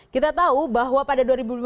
kita tahu bahwa pada dua ribu lima belas